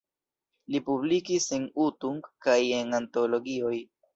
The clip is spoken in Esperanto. Li publikis en Utunk kaj en antologioj.